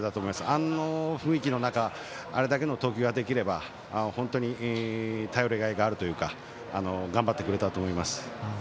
あの雰囲気の中あれだけの投球ができれば本当に頼りがいがあるというか頑張ってくれたと思います。